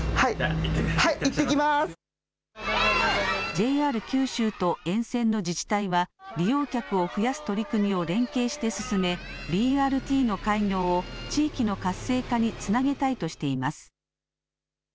ＪＲ九州と沿線の自治体は利用客を増やす取り組みを連携して進めＢＲＴの開業を地域の活性化につなげたいとしています。